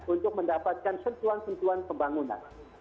untuk mendapatkan sentuhan sentuhan pembangunan